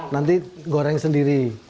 nanti goreng sendiri